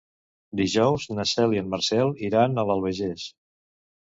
Dijous na Cel i en Marcel iran a l'Albagés.